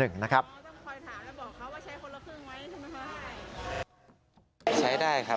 ต้องคอยถามแล้วบอกเขาว่าใช้คนละครึ่งไว้ใช่ไหมครับ